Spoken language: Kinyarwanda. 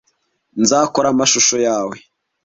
Nzakora amashusho yawe.